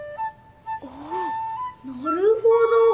あなるほど！